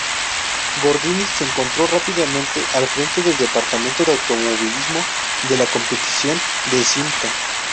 Gordini se encontró rápidamente al frente del departamento de automovilismo de competición de Simca.